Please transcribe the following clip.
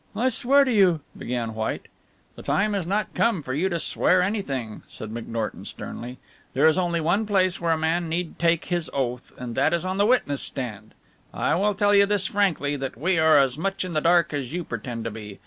"I swear to you " began White. "The time has not come for you to swear anything," said McNorton sternly, "there is only one place where a man need take his oath, and that is on the witness stand. I will tell you this frankly, that we are as much in the dark as you pretend to be.